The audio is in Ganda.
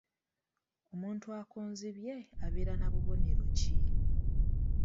Omuntu akonzibye abeera na bubonero ki?